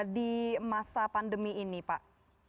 di masa pandemi ini pak